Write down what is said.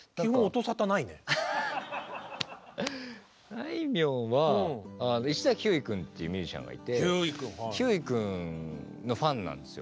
あいみょんは石崎ひゅーい君っていうミュージシャンがいてひゅーい君のファンなんですよ。